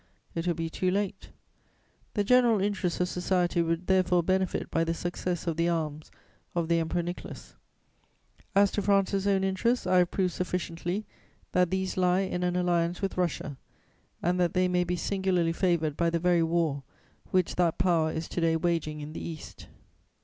It will be too late. "The general interests of society would therefore benefit by the success of the arms of the Emperor Nicholas. "As to France's own interests, I have proved sufficiently that these lie in an alliance with Russia, and that they may be singularly favoured by the very war which that Power is to day waging in the East."